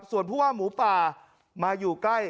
ส่วนผู้ว่าหมูป่ามาอยู่ใกล้